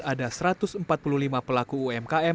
ada satu ratus empat puluh lima pelaku umkm